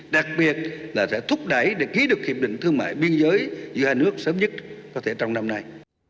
đặc biệt là sẽ thúc đẩy để ký được hiệp định thương mại biên giới giữa hai nước sớm nhất có thể trong năm nay